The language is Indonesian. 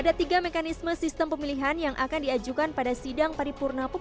ada tiga mekanisme sistem pemilihan yang akan diajukan pada sidang paripurna